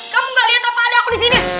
kamu gak lihat apa ada aku di sini